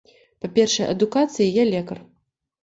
Па першай адукацыі я лекар.